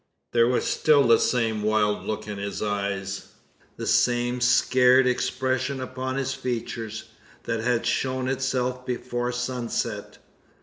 There was still the same wild look in his eyes the same scared expression upon his features that had shown itself before sunset.